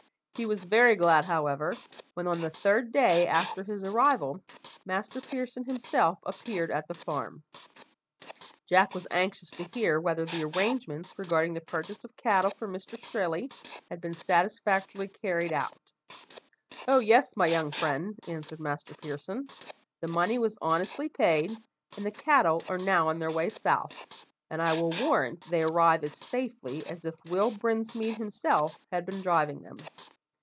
He was very glad, however, when on the third day after his arrival Master Pearson himself appeared at the farm. Jack was anxious to hear whether the arrangements regarding the purchase of cattle for Mr Strelley had been satisfactorily carried out. "Oh, yes, my young friend," answered Master Pearson, "the money was honestly paid, and the cattle are now on their way south, and I will warrant they arrive as safely as if Will Brinsmead himself had been driving them.